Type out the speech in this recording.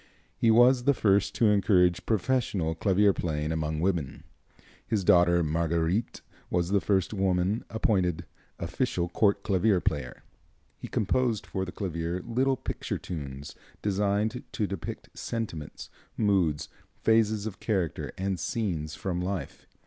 He was the first to encourage professional clavier playing among women. His daughter Marguerite was the first woman appointed official court clavier player. He composed for the clavier little picture tunes, designed to depict sentiments, moods, phases of character and scenes from life.